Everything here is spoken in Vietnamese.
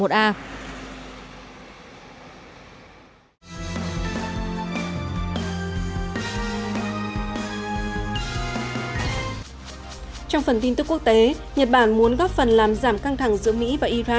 trong phần tin tức quốc tế nhật bản muốn góp phần làm giảm căng thẳng giữa mỹ và iran